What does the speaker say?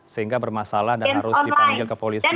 sehingga bermasalah dan harus dipanggil ke polisi